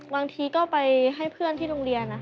บางทีก็ไปให้เพื่อนที่โรงเรียน